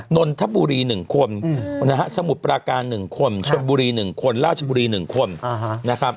นนทบุรี๑คนนะฮะสมุทรปราการ๑คนชนบุรี๑คนราชบุรี๑คนนะครับ